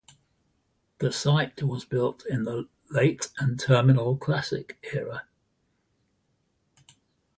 The site was built in the Late and Terminal Classic era.